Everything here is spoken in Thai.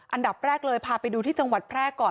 อันดับแรกเลยพาไปดูที่จังหวัดแพร่ก่อน